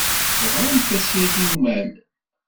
Teɣramt-as yagi i wemɛellem?